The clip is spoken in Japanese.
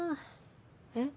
えっ？